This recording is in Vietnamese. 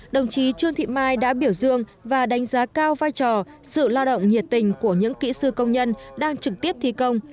đồng chí trương thị mai đã biểu dương và đánh giá cao vai trò sự lao động nhiệt tình của những kỹ sư công nhân đang trực tiếp thi công